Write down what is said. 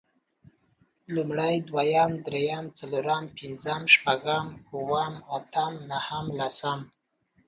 لومړی، دويم، درېيم، څلورم، پنځم، شپږم، اووم، اتم نهم، لسم